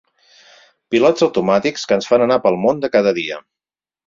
Pilots automàtics que ens fan anar pel món de cada dia.